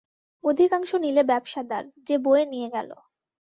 অধিকাংশ নিলে ব্যবসাদার, যে বয়ে নিয়ে গেল।